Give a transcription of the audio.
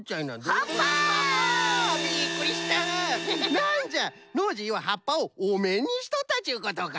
なんじゃノージーははっぱをおめんにしとったちゅうことか。